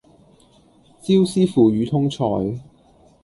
椒絲腐乳通菜